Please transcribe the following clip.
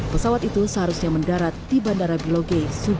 pesawat itu seharusnya mendarat di bandara bilogedi